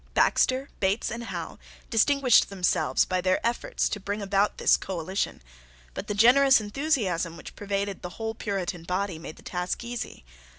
Baxter, Bates, and Howe distinguished themselves by their efforts to bring about this coalition: but the generous enthusiasm which pervaded the whole Puritan body made the task easy.